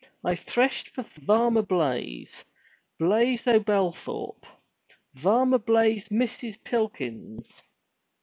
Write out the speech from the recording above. I threshed for Varmer Blaize— Blaize o' Belthorpe. Varmer Blaize misses pilkins.